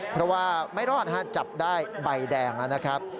เพราะว่าไม่รอดนะฮะจับได้ใบแดงนะครับ